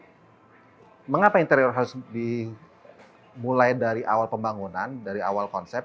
jadi mengapa interior harus dimulai dari awal pembangunan dari awal konsep